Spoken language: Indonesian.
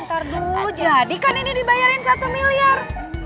eh ntar dulu jadikan ini dibayarin satu miliar